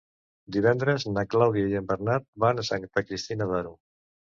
Divendres na Clàudia i en Bernat van a Santa Cristina d'Aro.